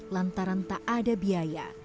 lantaran tak ada biaya